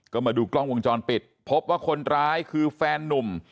ก็มาดูกล้องวงจรปิดพบว่าคนร้ายคือแฟนนุ่ม